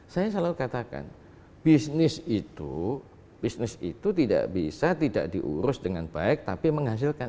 saya selalu katakan bisnis itu bisnis itu tidak bisa tidak diurus dengan baik tapi menghasilkan